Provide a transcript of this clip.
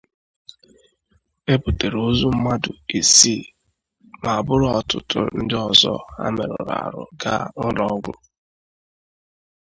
e butere ozu mmadụ isii ma buru ọtụtụ ndị ọzọ ha merụrụ ahụ gaa ụlọọgwụ